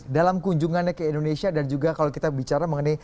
dalam kunjungannya ke indonesia dan juga kalau kita bicara mengenai